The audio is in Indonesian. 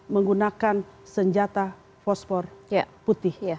menggunakan senjata fosfor putih